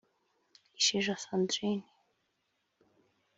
Isheja Sandrine